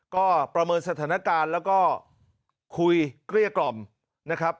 ก็ประเมินสถานการณ์แล้วก็คุยเกลี้ยกล่อมนะครับ